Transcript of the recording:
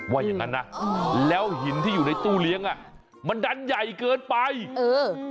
อย่างงั้นนะแล้วหินที่อยู่ในตู้เลี้ยงอ่ะมันดันใหญ่เกินไปเออ